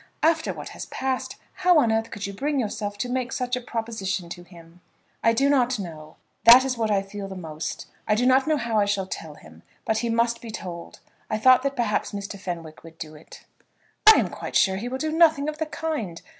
After what has passed, how on earth could you bring yourself to make such a proposition to him?" "I do not know; that is what I feel the most. I do not know how I shall tell him. But he must be told. I thought that perhaps Mr. Fenwick would do it." "I am quite sure he will do nothing of the kind.